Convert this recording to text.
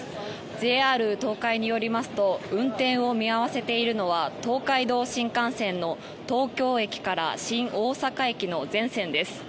ＪＲ東海によりますと運転を見合わせているのは東海道新幹線の東京駅から新大阪駅の全線です。